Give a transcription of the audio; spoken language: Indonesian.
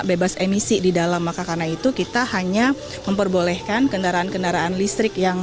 bebas emisi di dalam maka karena itu kita hanya memperbolehkan kendaraan kendaraan listrik yang